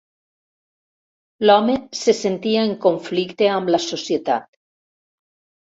L'home se sentia en conflicte amb la societat.